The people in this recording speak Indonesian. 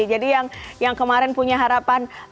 jadi yang kemarin punya harapan